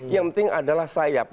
yang penting adalah sayap